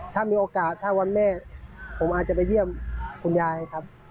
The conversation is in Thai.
ถ้ามีโอกาสถ้าวันแม่ผมอาจจะไปเยี่ยมคุณยายครับ